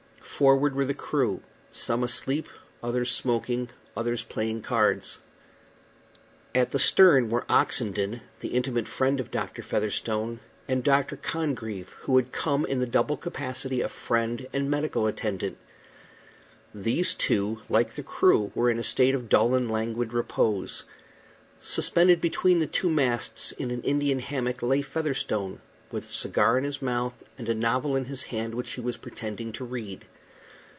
Forward were the crew; some asleep, others smoking, others playing cards. At the stern were Oxenden, the intimate friend of Featherstone, and Dr. Congreve, who had come in the double capacity of friend and medical attendant. These two, like the crew, were in a state of dull and languid repose. Suspended between the two masts, in an Indian hammock, lay Featherstone, with a cigar in his mouth and a novel in his hand, which he was pretending to read.